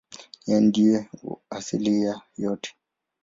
Yeye ndiye asili ya yote.